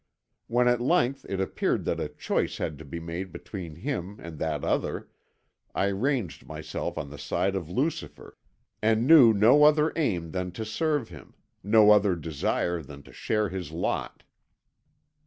When at length it appeared that a choice had to be made between him and That Other I ranged myself on the side of Lucifer and knew no other aim than to serve him, no other desire than to share his lot.